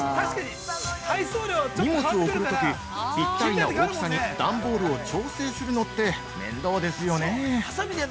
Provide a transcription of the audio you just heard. ◆荷物を送るときぴったりな大きさに段ボールを調整するのって面倒ですよね？